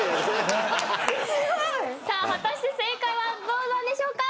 さあ果たして正解はどうなんでしょうか。